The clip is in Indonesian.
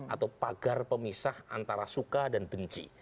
atau pagar pemisah antara suka dan benci